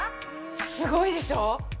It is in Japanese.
すごいでしょう？